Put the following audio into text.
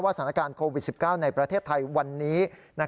สถานการณ์โควิด๑๙ในประเทศไทยวันนี้